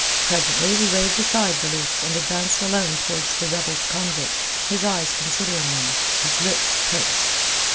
Presently he waved aside the list and advanced alone towards the rebels convict, his eyes considering them, his lips pursed.